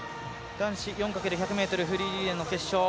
男子４×１００ｍフリーリレーの決勝。